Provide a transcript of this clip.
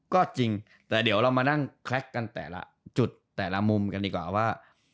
ก็จริงแต่เดี๋ยวเรามานั่งแคล็กกันแต่ละจุดแต่ละมุมกันดีกว่าว่า